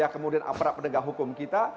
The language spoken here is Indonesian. kemudian aparat penegak hukum kita